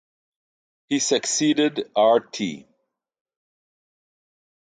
He succeeded Rt.